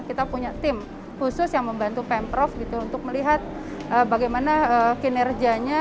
kita punya tim khusus yang membantu pemprov gitu untuk melihat bagaimana kinerjanya